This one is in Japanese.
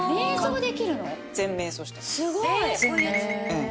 うん。